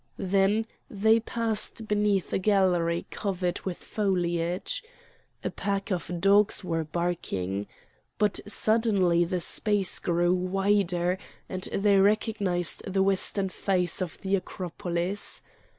Then they passed beneath a gallery covered with foliage. A pack of dogs were barking. But suddenly the space grew wider and they recognised the western face of the Acropolis.